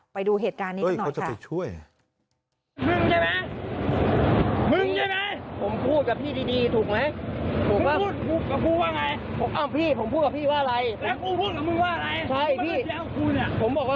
ไปดูเหตุการณ์นี้กันหน่อยค่ะ